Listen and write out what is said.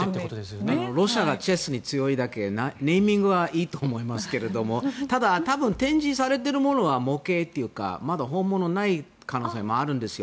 ロシアがチェスに強いだけネーミングはいいと思いますがただ、展示されているものは模型というかまだ本物がない可能性があるんですよ。